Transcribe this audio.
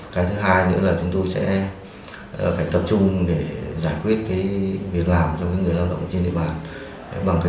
cái thứ hai nữa là chúng tôi sẽ phải tập trung để giải quyết việc làm cho người lao động trên địa bàn